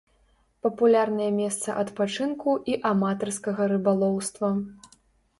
Папулярнае месца адпачынку і аматарскага рыбалоўства.